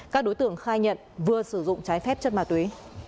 các đối tượng khai nhận vừa sử dụng trái phép chất ma túy